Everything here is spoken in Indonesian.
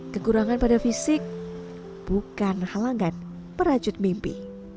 kekurangan pada fisik bukan halangan perajut mimpi